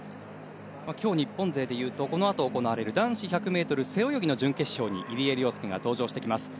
今日、日本勢でいうとこのあと行われる男子１００ｍ背泳ぎの準決勝に入江陵介が登場してきます。